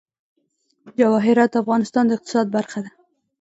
جواهرات د افغانستان د اقتصاد برخه ده.